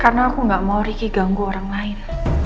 karena aku gak mau riki ganggu orang lain